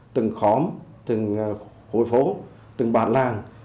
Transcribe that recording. từng khóm từng hội phố từng bản làng